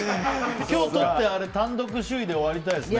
今日、取って単独首位で終わりたいですね。